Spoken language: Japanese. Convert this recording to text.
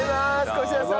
越田さん！